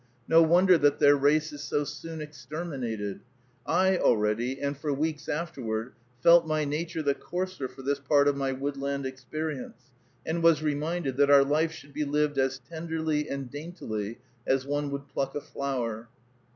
No wonder that their race is so soon exterminated. I already, and for weeks afterward, felt my nature the coarser for this part of my woodland experience, and was reminded that our life should be lived as tenderly and daintily as one would pluck a flower.